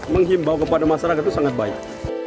menghimbau kepada masyarakat itu sangat baik